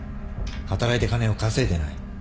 働いて金を稼いでない。